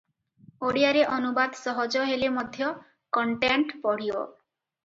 ଓଡ଼ିଆରେ ଅନୁବାଦ ସହଜ ହେଲେ ମଧ୍ୟ କଣ୍ଟେଣ୍ଟ ବଢ଼ିବ ।